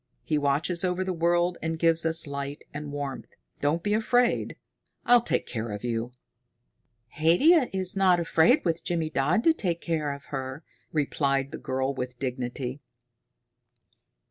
He watches over the world and gives us light and warmth. Don't be afraid. I'll take care of you." "Haidia is not afraid with Jimmydodd to take care of her," replied the girl with dignity.